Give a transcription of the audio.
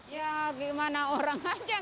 ya gimana orang aja